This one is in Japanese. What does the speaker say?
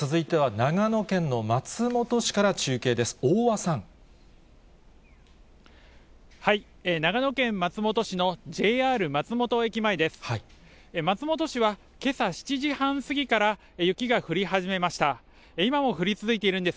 長野県松本市のＪＲ松本駅前です。